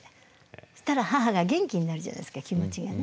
そしたら母が元気になるじゃないですか気持ちがね。